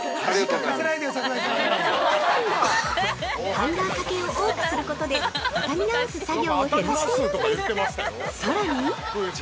ハンガーかけを多くすることで畳み直す作業を減らしているんです。